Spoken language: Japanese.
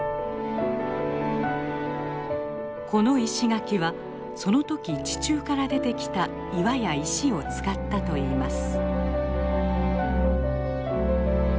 この石垣はその時地中から出てきた岩や石を使ったといいます。